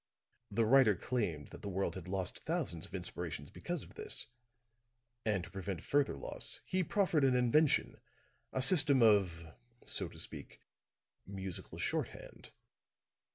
The writer claimed that the world had lost thousands of inspirations because of this, and to prevent further loss, he proffered an invention a system of so to speak musical shorthand."